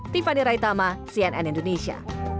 tiffany raitama cnn indonesia